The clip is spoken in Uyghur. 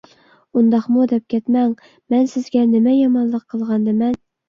ئۇنداقمۇ دەپ كەتمەڭ. مەن سىزگە نېمە يامانلىق قىلغاندىمەن؟